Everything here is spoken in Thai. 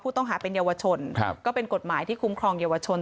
ต้องหาเป็นเยาวชนก็เป็นกฎหมายที่คุ้มครองเยาวชน